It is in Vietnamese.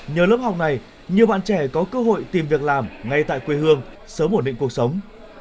nhờ lớp học này nhiều bạn trẻ có cơ hội tìm việc làm ngay tại quê hương sớm ổn định cuộc sống